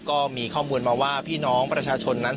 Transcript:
ก็มีข้อมูลมาว่าพี่น้องประชาชนนั้น